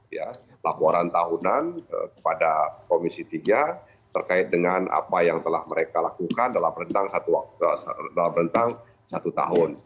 ya laporan tahunan kepada komisi tiga terkait dengan apa yang telah mereka lakukan dalam rentang satu tahun